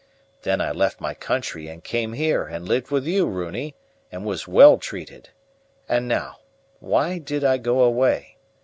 Then I left my country and came here, and lived with you, Runi, and was well treated. And now, why did I go away?